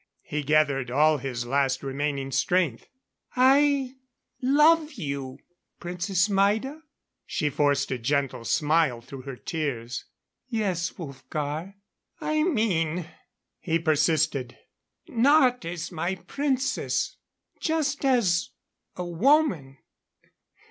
He gathered all his last remaining strength. "I love you Princess Maida." She forced a gentle smile through her tears. "Yes, Wolfgar." "I mean," he persisted, "not as my Princess just as a woman.